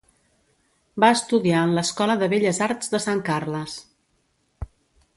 Va estudiar en l'Escola de Belles Arts de Sant Carles.